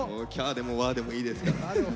でも「ワー！」でもいいですから。